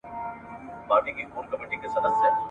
مدرسې خلاصي پوهنتون بند دی ..